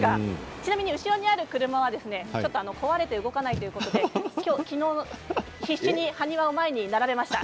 ちなみに後ろにある車はちょっと壊れて動かないということで昨日、必死に埴輪を前に並べました。